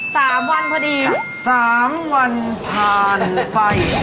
สามวันพอดีนะครับสามวันผ่านไป